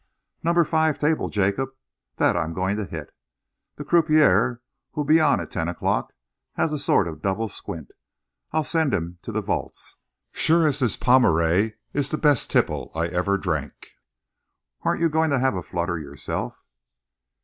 Number five table, Jacob, that I'm going to hit. The croupier who'll be on at ten o'clock has a sort of double squint. I'll send him to the vaults, sure as this Pommery is about the best tipple I ever drank.... Aren't you going to have a flutter yourself?"